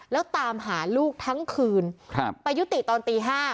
แล้วตามหาลูกทั้งคืนไปยุติตอนตี๕